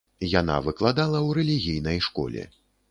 Яна выкладала ў рэлігійнай школе.